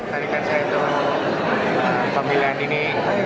tadi kan saya itu pemilihan ini